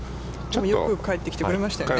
よく帰ってきてくれましたよね。